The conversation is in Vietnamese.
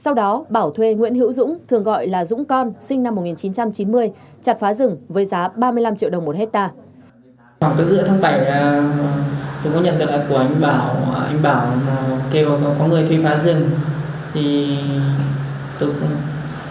sau đó bảo thuê nguyễn hữu dũng thường gọi là dũng con sinh năm một nghìn chín trăm chín mươi chặt phá rừng với giá ba mươi năm triệu đồng một hectare